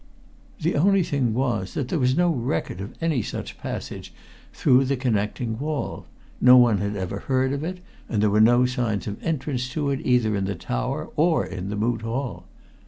The only thing was that there was no record of any such passage through the connecting wall; no one had ever heard of it; and there were no signs of entrance to it either in the tower or in the Moot Hall.